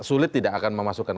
sulit tidak akan memasukkan